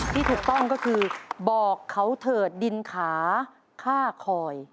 ที่ถูกต้องก็คือบอกเขาเถิดดินขาฆ่าคอย